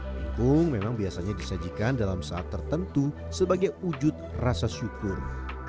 pingkung memang biasanya disajikan dalam saat tertentu sebagai wujud rasa syukur